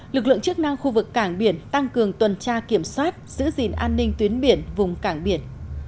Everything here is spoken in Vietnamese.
lực lượng chức năng khu vực cảng biển tăng cường tuần tra kiểm soát giữ gìn an ninh tuyến biển vùng cảng biển